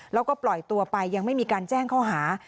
แล้วก็ปล่อยตัวไปยังไม่มีการแจ้งข้อหา